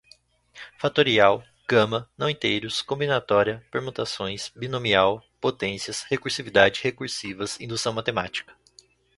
fatorial, gama, não-inteiros, combinatória, permutações, binomial, potências, recursividade, recursivas, indução matemática